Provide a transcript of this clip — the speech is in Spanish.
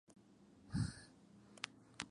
Participan las empresas de la ciudad.